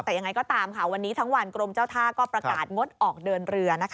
แต่ยังไงก็ตามค่ะวันนี้ทั้งวันกรมเจ้าท่าก็ประกาศงดออกเดินเรือ